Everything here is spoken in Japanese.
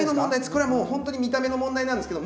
これはもうほんとに見た目の問題なんですけど